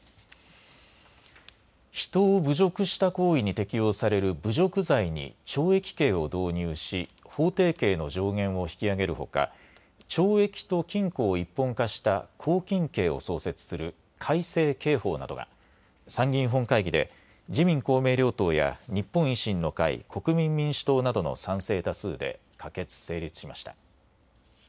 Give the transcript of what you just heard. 人を侮辱した行為に適用される侮辱罪に懲役刑を導入し法定刑の上限を引き上げるほか懲役と禁錮を一本化した拘禁刑を創設する改正刑法などが参議院本会議で自民公明両党や日本維新の会、国民民主党などの賛成多数で可決・成立しました。